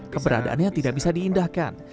keberadaannya tidak bisa diinginkan